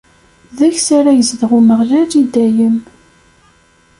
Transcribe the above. Deg-s ara yezdeɣ Umeɣlal i dayem.